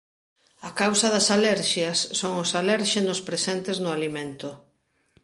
A causa das alerxias son os alérxenos presentes no alimento.